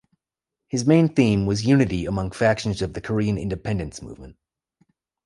His main theme was unity among factions of the Korean independence movement.